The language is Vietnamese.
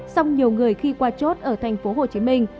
xong nhiều người khi qua chốt ở tp hcm